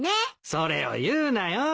それを言うなよ。